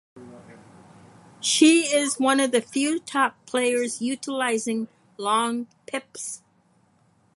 She is one of the few top players utilizing long pips.